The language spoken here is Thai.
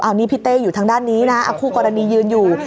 อันนี้พี่เต้อยู่ทางด้านนี้นะเอาคู่กรณียืนอยู่